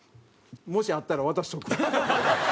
もし会ったら渡しておくわ。